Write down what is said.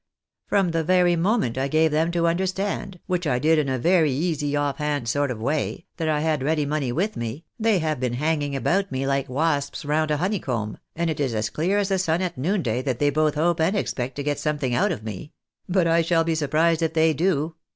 From the moment I gave them to understand (which I did in a very easy off hand sort of way) that I had ready money with me, they have been hanging about me like wasps round a honey comb, and it is as clear as the sun at noonday that they both hope and expect to get something out of me ; but I shall be surprised if they do.